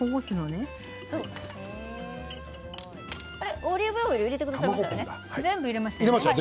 オリーブオイル入れてくださいましたよね？